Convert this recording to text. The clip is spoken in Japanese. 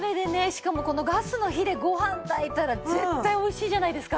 しかもこのガスの火でご飯炊いたら絶対美味しいじゃないですか。